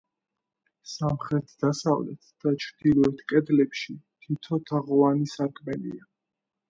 სამხრეთ, დასავლეთ და ჩრდილოეთ კედლებში თითო თაღოვანი სარკმელია.